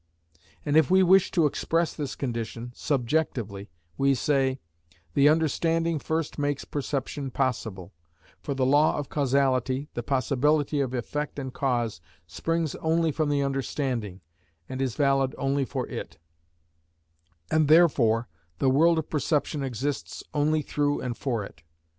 And if we wish to express this condition subjectively we say: The understanding first makes perception possible; for the law of causality, the possibility of effect and cause, springs only from the understanding, and is valid only for it, and therefore the world of perception exists only through and for it.